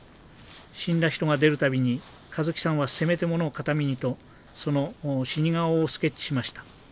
死んだ人が出る度に香月さんはせめてもの形見にとその死に顔をスケッチしました。